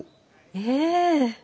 ええ。